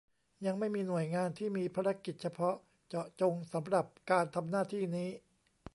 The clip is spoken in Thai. ยังไม่มีหน่วยงานที่มีภารกิจเฉพาะเจาะจงสำหรับการทำหน้าที่นี้